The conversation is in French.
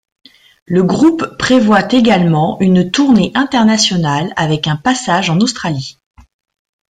Le groupe prévoit également une tournée internationale avec un passage en Australie.